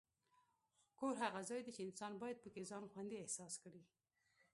کور هغه ځای دی چې انسان باید پکې ځان خوندي احساس کړي.